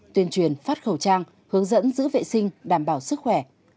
tuyên truyền phát khẩu trang hướng dẫn giữ vệ sinh đảm bảo sức khỏe